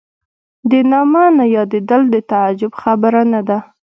د نامه نه یادېدل د تعجب خبره نه ده.